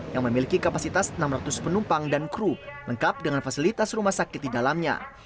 yang memiliki kapasitas enam ratus penumpang dan kru lengkap dengan fasilitas rumah sakit di dalamnya